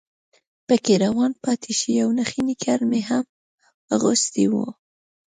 پکې روان پاتې شي، یو نخی نیکر مې هم اغوستی و.